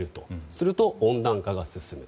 すると、温暖化が進む。